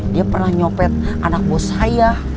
dia pernah nyopet anak buah saya